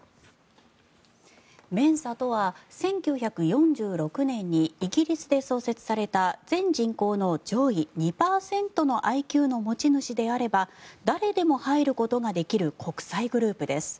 メンサとは１９４６年にイギリスで創設された全人口の上位２％のＩＱの持ち主であれば誰でも入ることができる国際グループです。